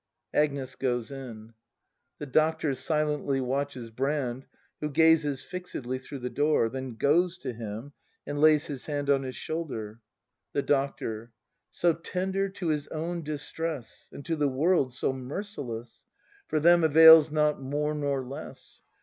[Agnes goes in. The Doctor silently watches Brand, who gazes fixedly through the door; then goes to him, and lays his hand on his shoulder. The Doctor. So tender to his own distress. And to the world so merciless! For them avails not more nor less!